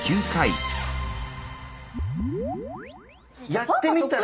やってみたら。